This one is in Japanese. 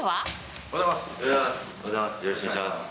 おはようございます。